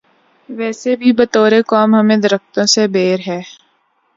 ویسے بھی بطور قوم ہمیں درختوں سے بیر ہے۔